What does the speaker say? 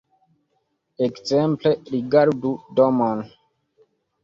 Ekzemple rigardu domon.